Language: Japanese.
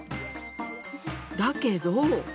だけど。